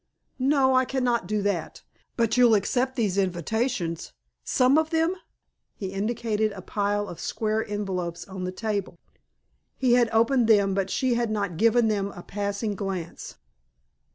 "No, I cannot do that. But you'll accept these invitations some of them?" He indicated a pile of square envelopes on the table. He had opened them but she had not given them a passing glance.